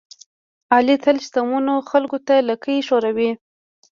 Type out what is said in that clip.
علي تل شتمنو خلکوته لکۍ خوروي.